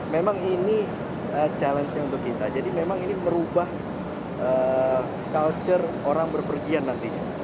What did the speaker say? memang ini challenge nya untuk kita jadi memang ini merubah culture orang berpergian nantinya